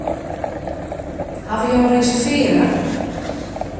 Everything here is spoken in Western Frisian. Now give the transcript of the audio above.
Hawwe jo reservearre?